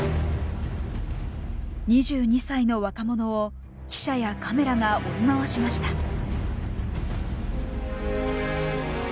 ２２歳の若者を記者やカメラが追い回しました。